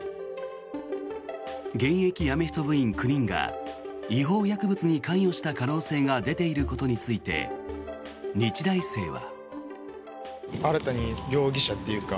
現役アメフト部員９人が違法薬物に関与した可能性が出ていることについて日大生は。